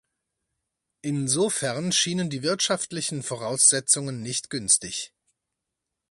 Insofern schienen die wirtschaftlichen Voraussetzungen nicht günstig.